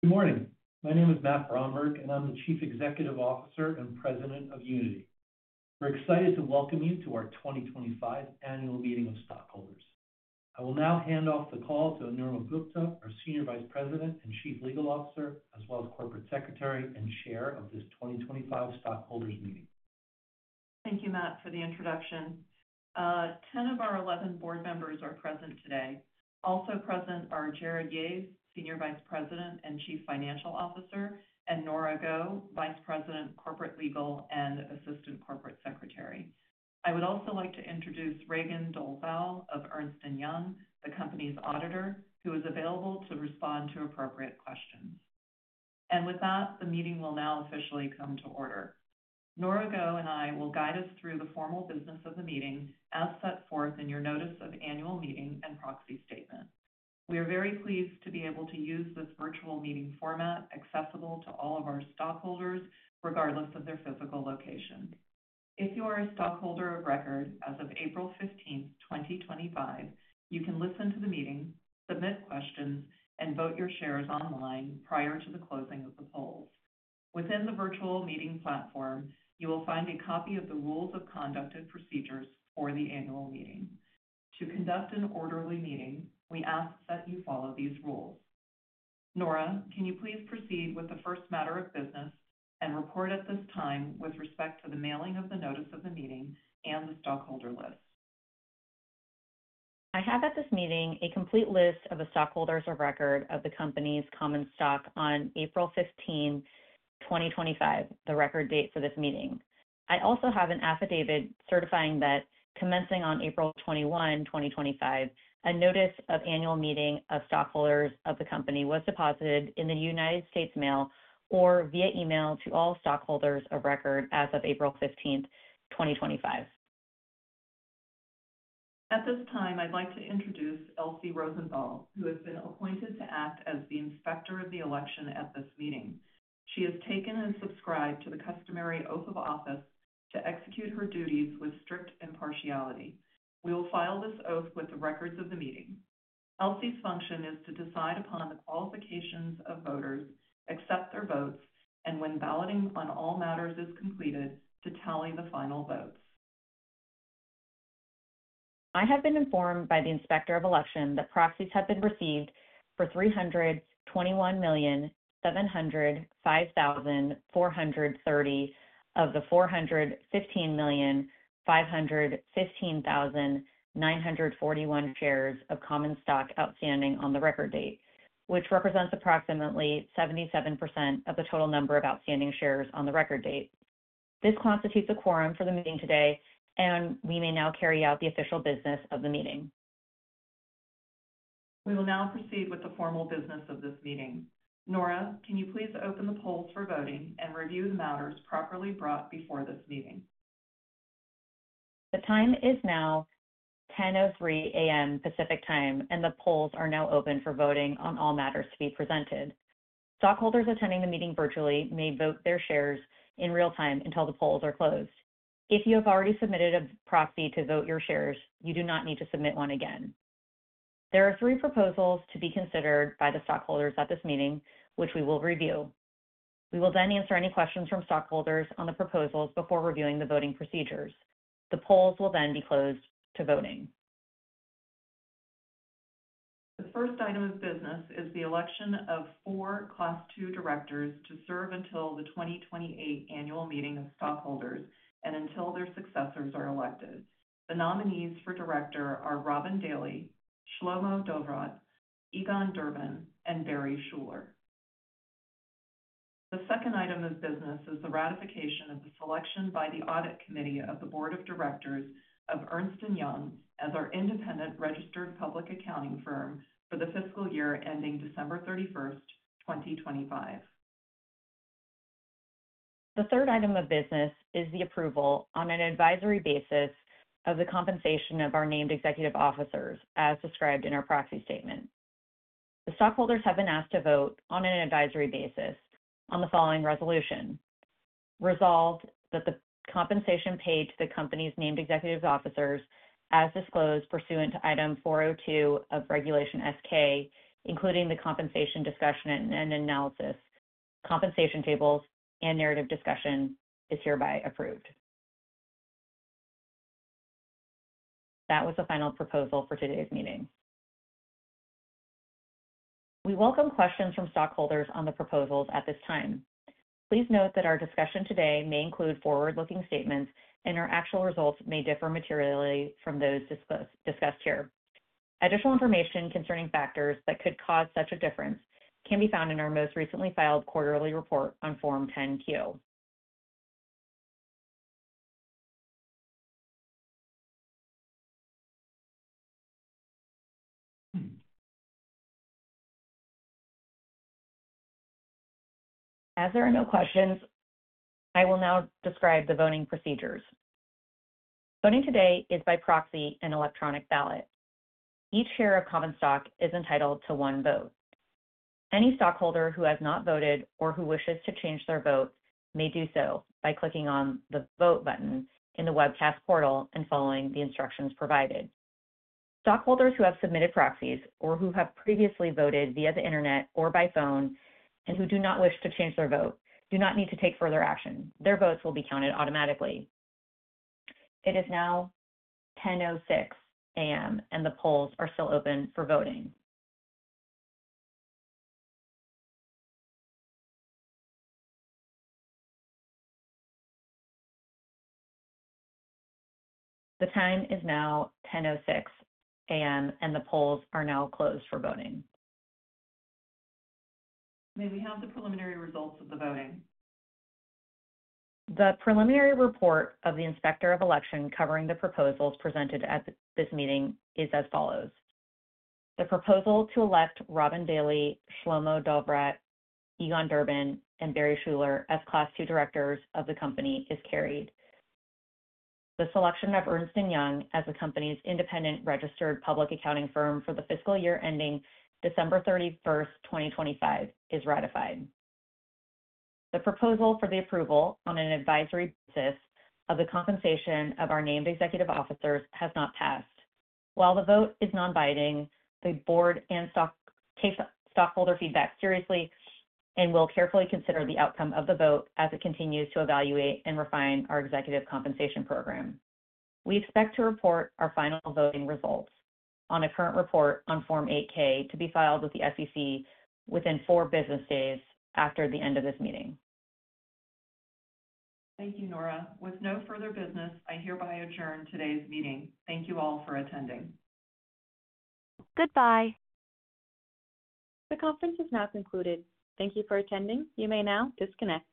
Good morning. My name is Matt Brahmawart, and I'm the Chief Executive Officer and President of Unity. We're excited to welcome you to our 2025 Annual Meeting of Stockholders. I will now hand off the call to Anurag Gupta, our Senior Vice President and Chief Legal Officer, as well as Corporate Secretary and Chair of this 2025 Stockholders' Meeting. Thank you, Matt, for the introduction. Ten of our 11 board members are present today. Also present are Jarrod Yahes, Senior Vice President and Chief Financial Officer, and Nora Goh, Vice President, Corporate Legal and Assistant Corporate Secretary. I would also like to introduce Reagan Dohlbau of Ernst & Young, the company's auditor, who is available to respond to appropriate questions. With that, the meeting will now officially come to order. Nora Goh and I will guide us through the formal business of the meeting, as set forth in your Notice of Annual Meeting and Proxy Statement. We are very pleased to be able to use this virtual meeting format accessible to all of our stockholders, regardless of their physical location. If you are a stockholder of record as of April 15th, 2025, you can listen to the meeting, submit questions, and vote your shares online prior to the closing of the polls. Within the virtual meeting platform, you will find a copy of the Rules of Conduct and Procedures for the Annual Meeting. To conduct an orderly meeting, we ask that you follow these rules. Nora, can you please proceed with the first matter of business and report at this time with respect to the mailing of the Notice of the Meeting and the Stockholder List? I have at this meeting a complete list of the stockholders of record of the company's common stock on April 15th, 2025, the record date for this meeting. I also have an affidavit certifying that commencing on April 21, 2025, a Notice of Annual Meeting of Stockholders of the company was deposited in the United States mail or via email to all stockholders of record as of April 15th, 2025. At this time, I'd like to introduce Elsie Rosenthal, who has been appointed to act as the Inspector of the Election at this meeting. She has taken and subscribed to the customary oath of office to execute her duties with strict impartiality. We will file this oath with the records of the meeting. Elsie's function is to decide upon the qualifications of voters, accept their votes, and when balloting on all matters is completed, to tally the final votes. I have been informed by the Inspector of Election that proxies have been received for 321,705,430 of the 415,515,941 shares of common stock outstanding on the record date, which represents approximately 77% of the total number of outstanding shares on the record date. This constitutes a quorum for the meeting today, and we may now carry out the official business of the meeting. We will now proceed with the formal business of this meeting. Nora, can you please open the polls for voting and review the matters properly brought before this meeting? The time is now 10:03 A.M. Pacific Time, and the polls are now open for voting on all matters to be presented. Stockholders attending the meeting virtually may vote their shares in real time until the polls are closed. If you have already submitted a proxy to vote your shares, you do not need to submit one again. There are three proposals to be considered by the stockholders at this meeting, which we will review. We will then answer any questions from stockholders on the proposals before reviewing the voting procedures. The polls will then be closed to voting. The first item of business is the election of four Class II Directors to serve until the 2028 Annual Meeting of Stockholders and until their successors are elected. The nominees for Director are Robin Daley, Shlomo Dovrat, Egon Durbin, and Barry Schuller. The second item of business is the ratification of the selection by the Audit Committee of the Board of Directors of Ernst & Young as our independent registered public accounting firm for the fiscal year ending December 31st, 2025. The third item of business is the approval on an advisory basis of the compensation of our named executive officers, as described in our proxy statement. The stockholders have been asked to vote on an advisory basis on the following resolution: resolved that the compensation paid to the company's named executive officers, as disclosed pursuant to Item 402 of Regulation S-K, including the compensation discussion and analysis, compensation tables, and narrative discussion, is hereby approved. That was the final proposal for today's meeting. We welcome questions from stockholders on the proposals at this time. Please note that our discussion today may include forward-looking statements, and our actual results may differ materially from those discussed here. Additional information concerning factors that could cause such a difference can be found in our most recently filed quarterly report on Form 10-Q. As there are no questions, I will now describe the voting procedures. Voting today is by proxy and electronic ballot. Each share of common stock is entitled to one vote. Any stockholder who has not voted or who wishes to change their vote may do so by clicking on the Vote button in the webcast portal and following the instructions provided. Stockholders who have submitted proxies or who have previously voted via the internet or by phone and who do not wish to change their vote do not need to take further action. Their votes will be counted automatically. It is now 10:06 A.M., and the polls are still open for voting. The time is now 10:06 A.M., and the polls are now closed for voting. May we have the preliminary results of the voting? The preliminary report of the Inspector of Election covering the proposals presented at this meeting is as follows. The proposal to elect Robin Daley, Shlomo Dovrat, Egon Durbin, and Barry Schuller as Class II Directors of the company is carried. The selection of Ernst & Young as the company's independent registered public accounting firm for the fiscal year ending December 31st, 2025, is ratified. The proposal for the approval on an advisory basis of the compensation of our named executive officers has not passed. While the vote is non-binding, the board and stockholder feedback seriously and will carefully consider the outcome of the vote as it continues to evaluate and refine our executive compensation program. We expect to report our final voting results on a current report on Form 8-K to be filed with the SEC within four business days after the end of this meeting. Thank you, Nora. With no further business, I hereby adjourn today's meeting. Thank you all for attending. Goodbye. The conference is now concluded. Thank you for attending. You may now disconnect.